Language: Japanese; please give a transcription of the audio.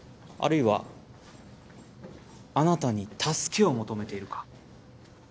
あるいはあなたに助けを求めているか。